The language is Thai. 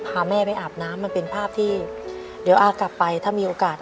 แม่ไปอาบน้ำมันเป็นภาพที่เดี๋ยวอากลับไปถ้ามีโอกาส